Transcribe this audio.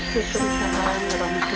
bisa bisa ramai ramai